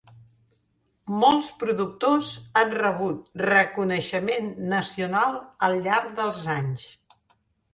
Molts productors han rebut reconeixement nacional al llarg dels anys.